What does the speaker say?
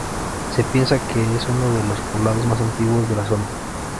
Se piensa que es uno de los poblados más antiguos de la zona.